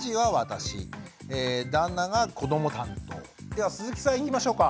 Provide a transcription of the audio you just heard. では鈴木さんいきましょうか。